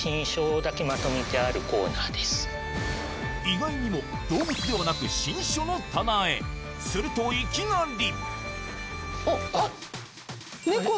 意外にも動物ではなく新書の棚へするといきなりおっ！